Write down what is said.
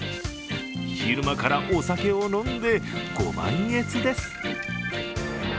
昼間からお酒を飲んでご満悦です。